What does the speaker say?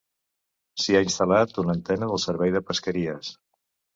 S'hi ha instal·lat una antena del servei de pesqueries.